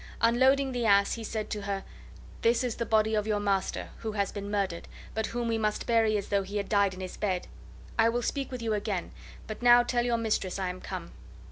Unloading the ass, he said to her: "This is the body of your master, who has been murdered, but whom we must bury as though he had died in his bed. I will speak with you again, but now tell your mistress I am come."